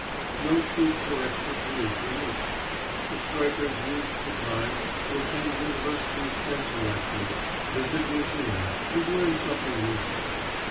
No troops or extra police were needed. The strikers used the time to attend university extension lectures, visit museums and learn something useful.